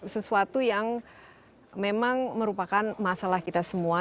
sesuatu yang memang merupakan masalah kita semua